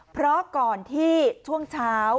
เพราะก่อนที่ช่วงเช้า